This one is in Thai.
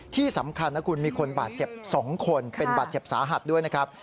ที่สำคัญนะคุณมีคนบาดเจ็บ๒คนเป็นบาดเจ็บสาหัสด้วยนะครับ